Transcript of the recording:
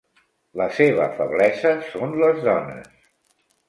La seva feblesa són les dones.